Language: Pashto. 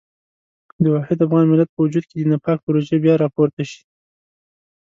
د واحد افغان ملت په وجود کې د نفاق پروژې بیا راپورته شي.